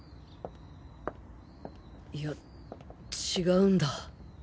いや違うんだ